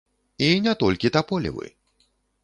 І не толькі таполевы.